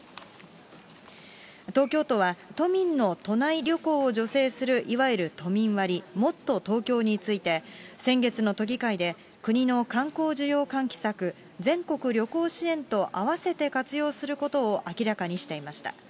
東京都は、都民の都内旅行を助成するいわゆる都民割、もっとＴｏｋｙｏについて、先月の都議会で、国の観光需要喚起策、全国旅行支援と併せて活用することを明らかにしていました。